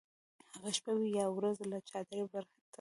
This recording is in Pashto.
هغه شپه وي یا ورځ له چادرۍ پرته ځي.